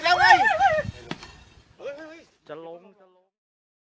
ขย่าวขย่าวพี่นั่นเนี้ยเฮ้ยเฮ้ยลงหลอยแล้วเฮ้ยเฮ้ยเฮ้ย